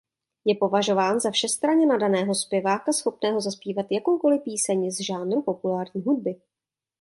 Je považován za všestranně nadaného zpěváka schopného zpívat jakoukoliv píseň z žánru populární hudby.